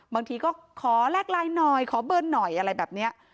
บางทีก็ขอแลกไลน์หน่อยขอเบอร์หน่อยอะไรแบบนี้